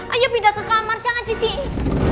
ayo pindah ke kamar jangan di sini